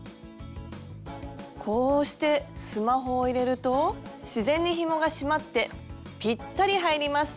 こうしてスマホを入れると自然にひもが締まってピッタリ入ります。